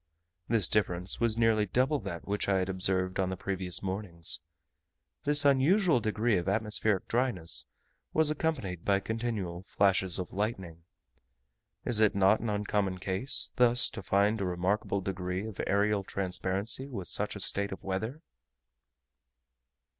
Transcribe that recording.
This difference was nearly double that which I had observed on the previous mornings. This unusual degree of atmospheric dryness was accompanied by continual flashes of lightning. Is it not an uncommon case, thus to find a remarkable degree of aerial transparency with such a state of weather?